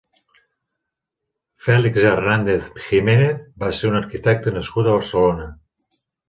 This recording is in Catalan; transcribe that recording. Félix Hernández Giménez va ser un arquitecte nascut a Barcelona.